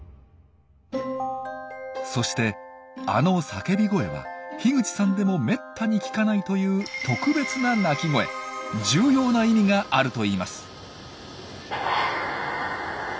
そしてあの叫び声は樋口さんでもめったに聞かないという重要な意味があるといいます。